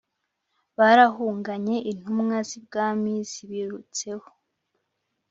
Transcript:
barahunganye intumwa zibwami zibirutseho